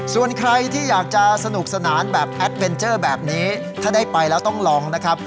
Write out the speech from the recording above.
ส่วนใครที่อยากจะสนุกสนานแบบแอดเวนเจอร์แบบนี้ถ้าได้ไปแล้วต้องลองนะครับ